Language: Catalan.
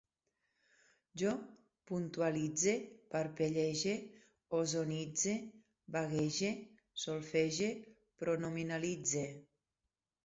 Jo puntualitze, parpellege, ozonitze, vaguege, solfege, pronominalitze